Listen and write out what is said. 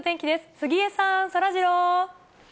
杉江さん、そらジロー。